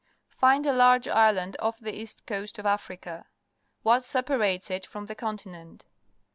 Find a large island off the east coast of .Africa. What separates it from the continent?